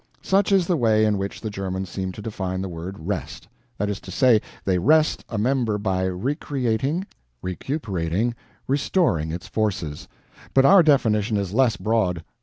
Such is the way in which the Germans seem to define the word "rest"; that is to say, they rest a member by recreating, recuperating, restoring its forces. But our definition is less broad.